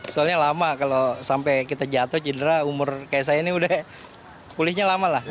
soalnya lama kalau sampai kita jatuh cedera umur kayak saya ini udah pulihnya lama lah